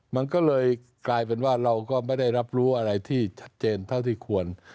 มันก็เลยกลายเป็นว่าเราก็ไม่ได้รับรู้อะไรที่ชัดเจนเท่าที่ควร